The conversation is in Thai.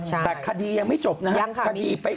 แต่คดียังไม่จบนะฮะ